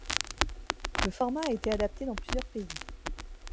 Le format a été adapté dans plusieurs pays.